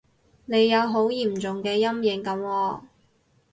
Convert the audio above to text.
你有好嚴重嘅陰影噉喎